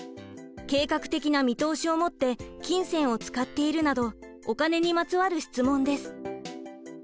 「計画的な見通しを持って金銭を使っている」などお金にまつわる質問です。